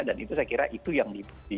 dan itu saya kira itu yang